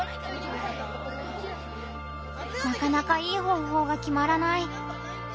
なかなかいい方法が決まらない。